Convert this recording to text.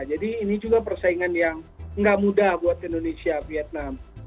jadi ini juga persaingan yang nggak mudah buat indonesia vietnam